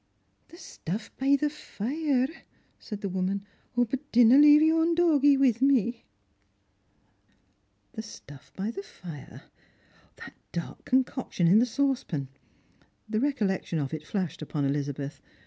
" The stuff by the fire," said the woman ;" but dinna leave yon doggie with me." The stuff by the fire; that dark concoction in the saucepan. StrangerH and Pilgrims. 309 The recollection of it flashed upon Elizabeth.